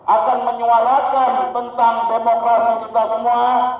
akan menyuarakan tentang demokrasi kita semua